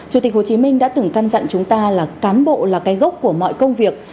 chủ tịch hồ chí minh đã từng căn dặn chúng ta là cán bộ là cái gốc của mọi công việc